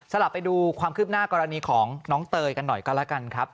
ไปดูความคืบหน้ากรณีของน้องเตยกันหน่อยก็แล้วกันครับ